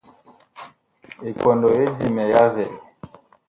Ekɔndɔ ye Dimɛ ya vɛɛ.